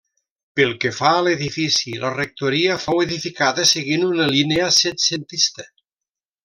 Pel que fa a l'edifici, la rectoria fou edificada seguint una línia setcentista.